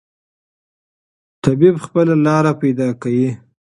طبیعت خپله لاره پیدا کوي.